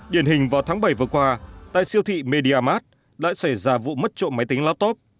điển hình vào tháng bảy vừa qua tại siêu thị media mart đã xảy ra vụ mất trộm máy tính laptop